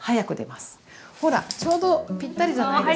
ほらちょうどぴったりじゃないですか。